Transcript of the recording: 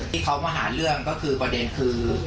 ที่เขามาหาเรื่องก็คือประเด็นคือ